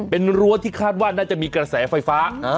เป็นรั้วที่คาดว่าน่าจะมีกระแสไฟฟ้า